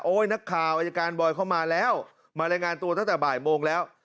นักข่าวอายการบอยเข้ามาแล้วมารายงานตัวตั้งแต่บ่ายโมงแล้ว